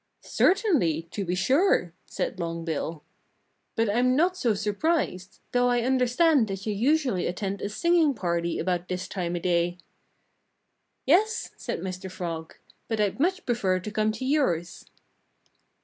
"Certainly to be sure!" said Long Bill. "But I'm not so surprised though I understand that you usually attend a singing party about this time o' day." "Yes!" said Mr. Frog. "But I'd much prefer to come to yours."